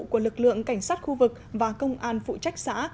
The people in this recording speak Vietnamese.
của lực lượng cảnh sát khu vực và công an phụ trách xã